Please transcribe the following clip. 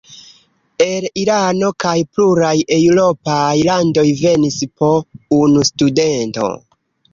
El Irano kaj pluraj eŭropaj landoj venis po unu studento.